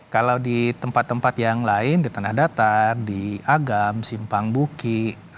kalau di tempat tempat yang lain di tanah datar di agam simpang buki